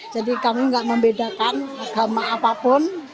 jadi kami nggak membedakan agama apapun